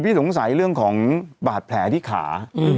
สงสัยเรื่องของบาดแผลที่ขา